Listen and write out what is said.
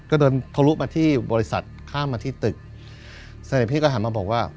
ก็เดินทะลุมาที่บริษัทข้ามมาที่ตึกเสร็จพี่ก็หันมาบอกว่า